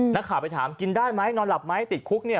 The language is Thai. นักข่าวไปถามกินได้ไหมนอนหลับไหมติดคุกเนี่ย